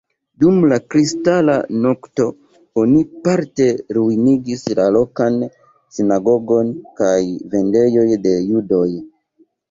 Dum la Kristala Nokto oni parte ruinigis la lokan sinagogon kaj vendejoj de judoj.